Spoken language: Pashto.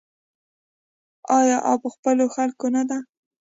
آیا او په خپلو خلکو نه ده؟